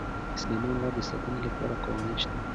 د سلیمان غر د ساتنې لپاره قوانین شته.